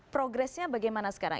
progresnya bagaimana sekarang